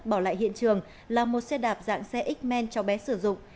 bỏ lại hiện trường làm một xe đạp dạng xe x man cháu bé sử dụng